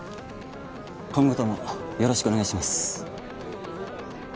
今後ともよろしくお願いします。